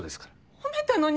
褒めたのに？